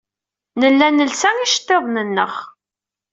Nella nelsa iceḍḍiḍen-nneɣ.